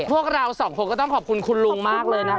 พวกเราสองคนก็ต้องขอบคุณคุณลุงมากเลยนะคะ